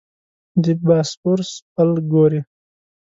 د باسفورس پل ګورې.